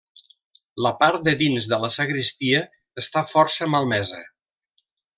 La part de dins de la sagristia està força malmesa.